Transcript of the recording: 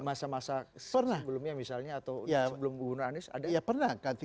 di masa masa sebelumnya misalnya atau sebelum gubernur anies ada presiden itu